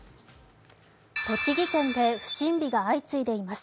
栃木県で、不審火が相次いでいます。